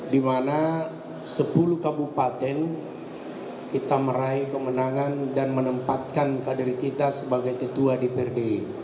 dimana sepuluh kabupaten kita meraih kemenangan dan menempatkan kadir kita sebagai ketua dprk